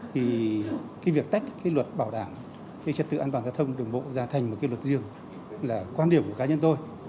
thì việc tách luật bảo đảm trật tự an toàn giao thông đường bộ ra thành một luật riêng là quan điểm của cá nhân tôi